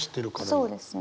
そうですね